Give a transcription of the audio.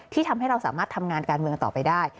ทำให้เราสามารถทำงานการเมืองต่อไปได้